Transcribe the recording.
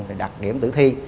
rồi đặt điểm tử thi